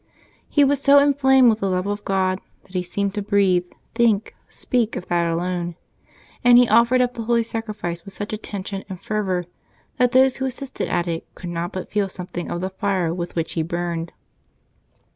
He was so inflamed with the love of God that he seemed to breathe, think, speak of that alone, and he offered up the Holy Sacrifice with such attention and fervor that those who assisted at it could not but feel something of the fire with which he burned.